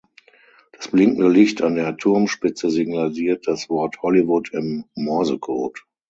Das blinkende Licht an der Turmspitze signalisiert das Wort „Hollywood“ im Morsecode.